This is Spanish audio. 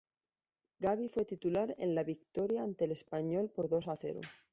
Gabi fue titular en la victoria ante el Español por dos a cero.